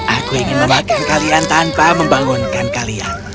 aku ingin memakan kalian tanpa membangunkan kalian